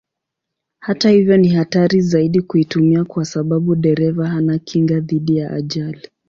Hata hivyo ni hatari zaidi kuitumia kwa sababu dereva hana kinga dhidi ya ajali.